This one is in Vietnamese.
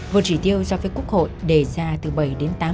vượt chỉ tiêu do phía quốc hội đề ra từ bảy đến tám